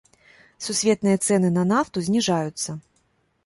Сусветныя цэны на нафту зніжаюцца.